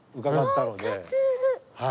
はい。